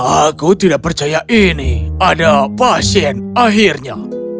aku tidak percaya ini ada pasien akhirnya